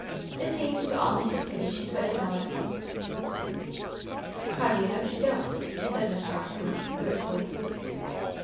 It seems a'most a pity she couldn't know it." "How do you know she don't?" said Miss Roxy, brusquely.